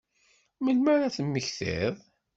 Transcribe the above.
Melmi ara ad temmektiḍ?